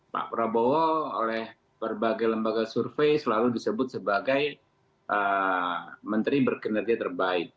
pak prabowo oleh berbagai lembaga survei selalu disebut sebagai menteri berkinerja terbaik